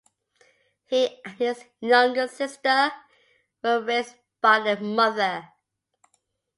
He and his younger sister were raised by their mother.